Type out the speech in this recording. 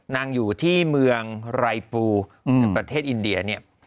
นางอยู่ที่เมืองไรปูในประเทศอินเดียเนี่ย